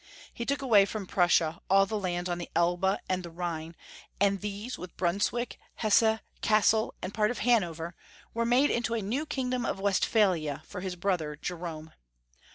He took away from Prussia all the lands on the Elbe and the Rhine, and these, with Brunswick, Hesse, Cassel, and part of Hanover, were made into a new kingdom of Westphalia for his brother Jerome.